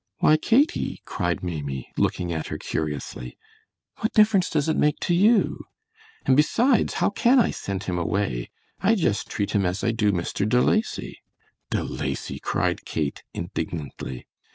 "Why, Katie," cried Maimie, looking at her curiously, "what difference does it make to you? And besides, how can I send him away? I just treat him as I do Mr. De Lacy." "De Lacy!" cried Kate, indignantly.